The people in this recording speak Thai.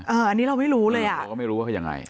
อันนี้เราไม่รู้เลยอ่ะเราก็ไม่รู้ว่าเขายังไง